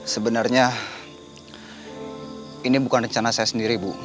sebenarnya ini bukan rencana saya sendiri bu